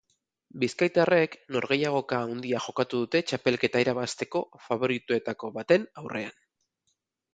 Bizkaitarrek norgehiagoka handia jokatu dute txapelketa irabazteko faboritoetako baten aurrean.